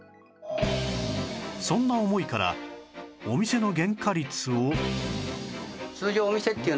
そんな思いからお店の原価率を